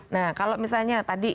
nah kalau misalnya tadi